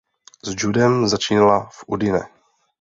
S judem začínala v Udine.